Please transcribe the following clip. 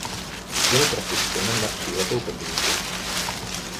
Byl propuštěn na tříletou podmínku.